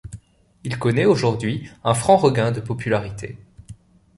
Il connait aujourd'hui un franc regain de popularité.